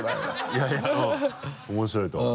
いやいやうん面白いと思う。